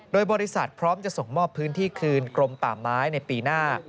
โดยบริษัทพร้อมจะส่งมอบพื้นที่คืนกรมป่าไม้ในปีหน้า